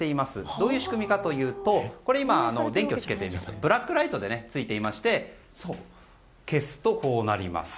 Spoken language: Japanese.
どういう仕組みかというと今、電気をつけてもらうとブラックライトでついていまして消すと、こうなります。